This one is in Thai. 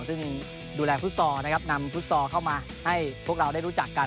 ซึ่งดูแลฟุตซอลนะครับนำฟุตซอลเข้ามาให้พวกเราได้รู้จักกัน